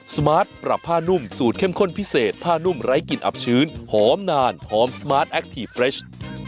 สมาร์ทปรับผ้านุ่มสูตรเข้มข้นพิเศษผ้านุ่มไร้กลิ่นอับชื้นหอมนานหอมสมาร์ทแคคทีฟเฟรช